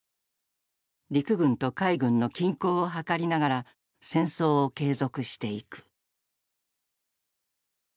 陸軍と海軍の均衡を図りながら戦争を継続していく。